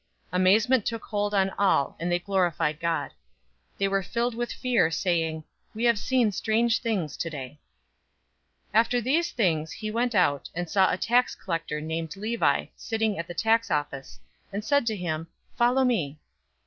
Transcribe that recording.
005:026 Amazement took hold on all, and they glorified God. They were filled with fear, saying, "We have seen strange things today." 005:027 After these things he went out, and saw a tax collector named Levi sitting at the tax office, and said to him, "Follow me!"